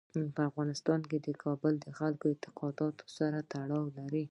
په افغانستان کې کابل د خلکو د اعتقاداتو سره تړاو لري.